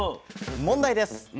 問題です。